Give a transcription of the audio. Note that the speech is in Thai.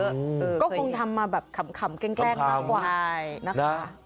ก็คงทำมาแบบขำแกล้งมากกว่าใช่นะคะ